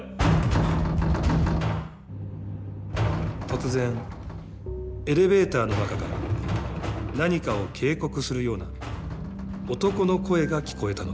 突然エレベーターの中から何かを警告するような男の声が聞こえたのです。